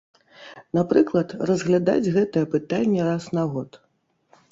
Напрыклад, разглядаць гэтае пытанне раз на год.